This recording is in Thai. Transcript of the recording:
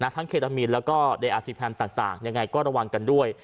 ทั้งเครดามีนแล้วก็ไดอาร์ซีแพนต่างยังไงก็ระวังกันด้วย